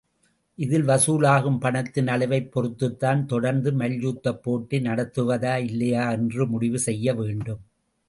இதில் வசூல் ஆகும் பணத்தின் அளவைப் பொறுத்துத்தான் தொடர்ந்து மல்யுத்தப்போட்டி நடத்துவதா இல்லையா என்று முடிவு செய்ய வேண்டும்.